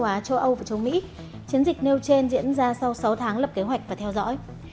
châu á châu âu và châu mỹ chiến dịch nêu trên diễn ra sau sáu tháng lập kế hoạch và theo dõi